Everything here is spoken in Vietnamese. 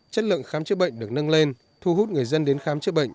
chất lượng khám chế bệnh được nâng lên thu hút người dân đến khám chế bệnh